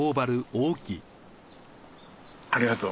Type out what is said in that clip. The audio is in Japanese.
ありがとう。